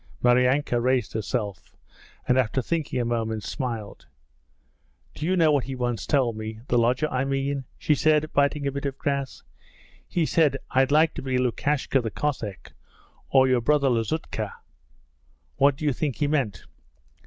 Maryanka raised herself, and after thinking a moment, smiled. 'Do you know what he once told me: the lodger I mean?' she said, biting a bit of grass. 'He said, "I'd like to be Lukashka the Cossack, or your brother Lazutka ." What do you think he meant?'